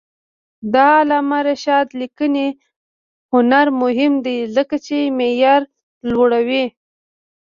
د علامه رشاد لیکنی هنر مهم دی ځکه چې معیار لوړوي.